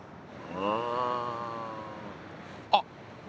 うんあっ！